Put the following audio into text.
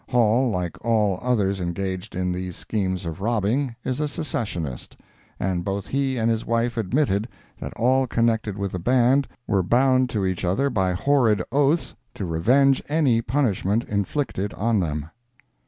Hall, like all others engaged in these schemes of robbing, is a Secessionist, and both he and his wife admitted that all connected with the band were bound to each other by horrid oaths to revenge any punishment inflicted on them.